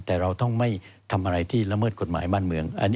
แต่เราต้องไม่ทำอะไรที่ละเมิดกฎหมายบ้านเมือง